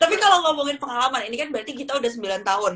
tapi kalau ngomongin pengalaman ini kan berarti kita udah sembilan tahun